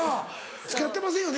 付き合ってませんよね